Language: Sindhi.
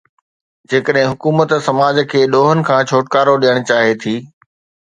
جيڪڏهن حڪومت سماج کي ڏوهن کان ڇوٽڪارو ڏيارڻ چاهي ٿي.